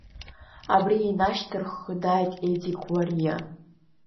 Абри инашьҭарххны дааит Едик Гәлариа.